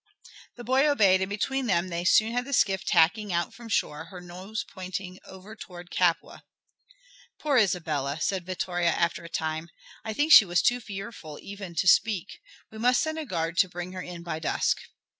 The boy obeyed, and between them they soon had the skiff tacking out from shore, her nose pointing over towards Capua. "Poor Isabella," said Vittoria after a time. "I think she was too fearful even to speak. We must send a guard to bring her in by dusk."